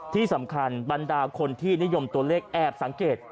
ที่สำคัญบรรดาคนที่นิยมตัวเลขแอบสังเกต